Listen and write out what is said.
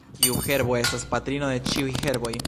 Kiu herbo estas patrino de ĉiuj herboj?